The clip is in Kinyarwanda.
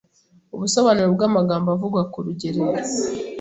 Ubusobanuro bw’ amagambo avugwa kurugerero